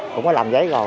cũng có lòng giấy rồi